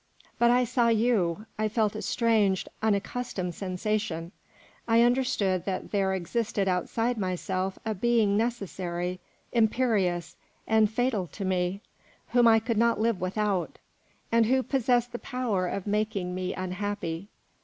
But I saw you; I felt a strange, unaccustomed sensation; I understood that there existed outside myself a being necessary, imperious, and fatal to me, whom I could not live without, and who possessed the power of making me unhappy.